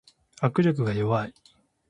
握力が弱い